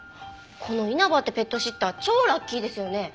この稲葉ってペットシッター超ラッキーですよね。